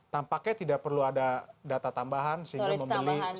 tampaknya tidak perlu ada data tambahan sehingga membeli